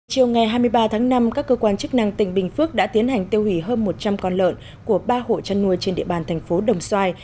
chiều ngày hai mươi ba tháng năm các cơ quan chức năng tỉnh bình phước đã tiến hành tiêu hủy hơn một trăm linh con lợn của ba hộ chăn nuôi trên địa bàn thành phố đồng xoài